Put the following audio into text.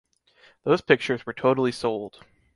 Those pictures were totally sold.